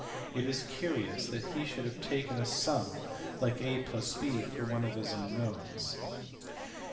It is curious that he should have taken a sum, like a + b for one of his unknowns.